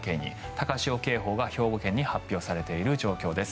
高潮警報が兵庫県に発表されている状況です。